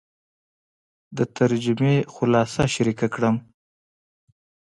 د ترجمې خلاصه شریکه کړم.